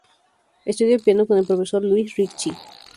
Estudió piano con el profesor Luis Ricci.